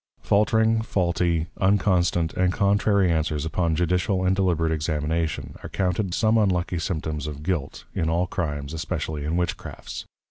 Faltring, faulty, unconstant, and contrary Answers upon judicial and deliberate Examination, are counted some unlucky Symptoms of Guilt, in all Crimes, especially in Witchcrafts.